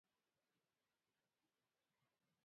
د ایلیسټریټر ویکتور کارونه په هر اندازه روښانه وي.